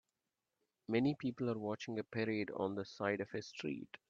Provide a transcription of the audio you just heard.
Many people are watching a parade on the side of a street.